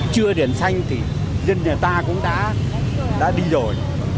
chưa đèn xanh thì dân người ta cũng đã đi rồi